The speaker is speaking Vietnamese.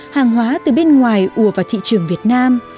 hàng hóa từ bên ngoài ùa vào thị trường việt nam